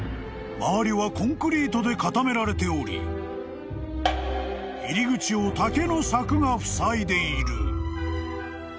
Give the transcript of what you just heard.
［周りはコンクリートで固められており入り口を竹の柵がふさいでいる］